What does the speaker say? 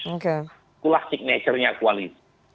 itulah signature nya kuali